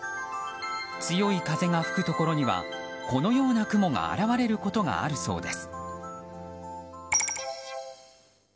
強い風が吹くところにはこのような雲が現れることがあるそうです。